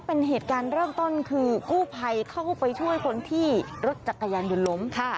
เป็นเหตุการณ์เริ่มต้นคือกู้ภัยเข้าไปช่วยคนที่รถจักรยานยนต์ล้มค่ะ